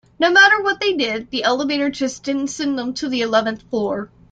No matter what they did, the elevator just didn't send them to the eleventh floor.